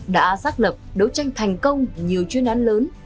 đã xác lập đấu tranh thành công nhiều chuyên án lớn